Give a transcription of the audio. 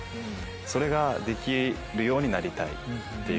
それができるようになりたいっていう。